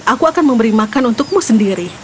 aku akan memberi makan untukmu sendiri